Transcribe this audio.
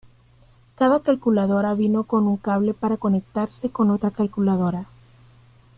Cada calculadora vino con un cable para conectarse con otra calculadora.